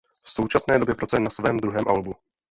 V současné době pracuje na svém druhém albu.